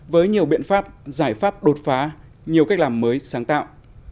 với nhiều biện pháp giải pháp đột phá nhiều cách làm mới sáng tạo